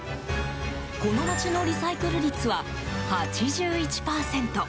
この町のリサイクル率は８１％。